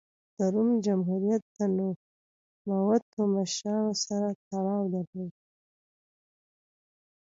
د روم جمهوریت د نوموتو مشرانو سره تړاو درلود.